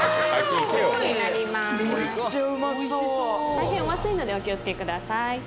大変お熱いのでお気を付けください。